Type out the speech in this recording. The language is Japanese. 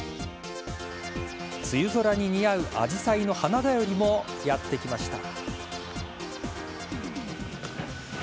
梅雨空に似合うアジサイの花便りもやって来ました。